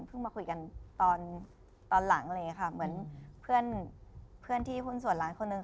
เพิ่งมาคุยกันตอนหลังเลยค่ะเหมือนเพื่อนที่หุ้นส่วนร้านคนนึง